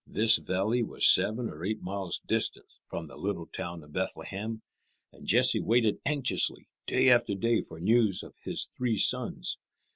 This valley was seven or eight miles distant from the little town of Bethlehem, and Jesse waited anxiously, day after day, for news of his three sons.